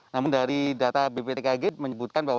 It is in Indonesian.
namun dari data bptkg menyebutkan bahwa